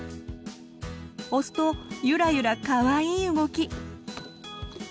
押すとユラユラかわいい動き！